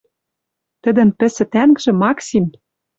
Тӹдӹн пӹсӹ тӓнгжӹ «максим»